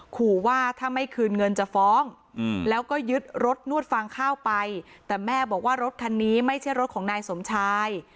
ขอว่าถ้าไม่คืนเงินจะฟ้องแล้วก็ยึดรถนวดฟางข้าวไปแต่แม่บอกว่ารถคันนี้ไม่ใช่รถของนายสมชาย